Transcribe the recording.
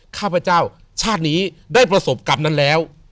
ข้าพเจ้าชาตินี้ได้ประสบกรรมนั้นแล้ว